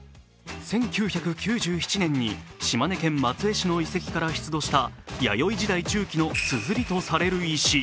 １９９７年に島根県松江市の遺跡から出土した弥生時代中期のすずりとされる石。